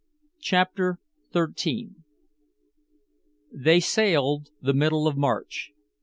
CHAPTER XIII They sailed the middle of March.